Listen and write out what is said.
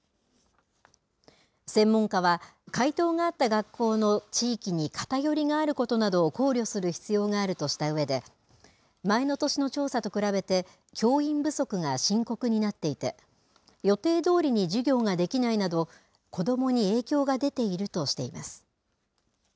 専門家は、回答があった学校の地域に偏りがあることなどを考慮する必要があるとしたうえで、前の年の調査と比べて教員不足が深刻になっていて、予定どおりに授業ができないなど、子どもに影響が出ているとしています。